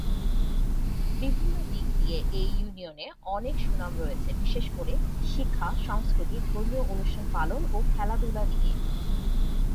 বিভিন্ন দিক দিয়ে এই ইউনিয়নে অনেক সুনাম রয়েছে বিশেষ করে শিক্ষা, সংস্কৃতি, ধর্মীয় অনুষ্ঠান পালন ও খেলাধুলা নিয়ে।